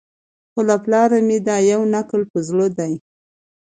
خو له پلاره مي دا یو نکل په زړه دی